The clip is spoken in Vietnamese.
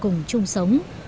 cùng chung sống